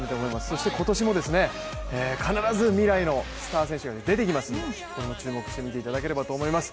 そして今年も必ず未来のスター選手が出てきますのでこれも注目して見ていただければと思います。